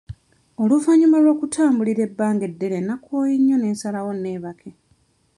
Oluvannyuma lw'okutambulira ebbanga eddene nakooye nnyo ne nsalawo neebake.